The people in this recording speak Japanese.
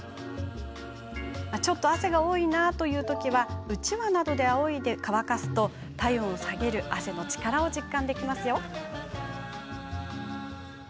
ちょっと汗が多いなというときはうちわなどであおいで乾かすと体温を下げる汗の力を実感できますよ。